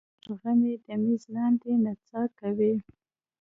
مرغه مې د میز لاندې نڅا کوي.